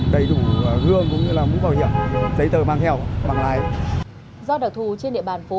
thủ đạo thi miracle